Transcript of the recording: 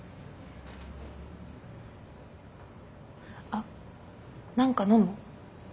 あっ何か飲む？